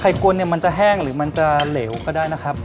ไข่กวนมันจะแห้งหรือมันจะเหลวก็ได้นะครับ